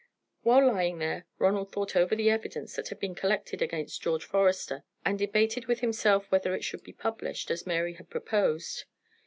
While lying there, Ronald thought over the evidence that had been collected against George Forester, and debated with himself whether it should be published, as Mary had proposed.